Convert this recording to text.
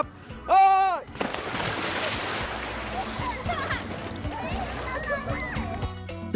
พล๊อฮิันฟัตช์ครับ